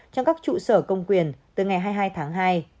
trong các trụ sở công quyền từ ngày hai mươi hai tháng hai